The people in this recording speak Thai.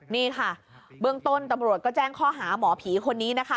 นี่ค่ะเบื้องต้นตำรวจก็แจ้งข้อหาหมอผีคนนี้นะคะ